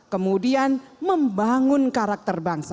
kemudian membangun karakter bangsa